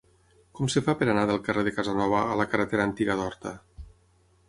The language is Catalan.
Com es fa per anar del carrer de Casanova a la carretera Antiga d'Horta?